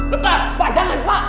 lupa pak jangan pak